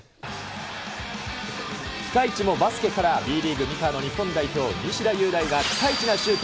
ピカイチもバスケから、Ｂリーグ・三河の日本代表、西田優大がピカイチなシュート。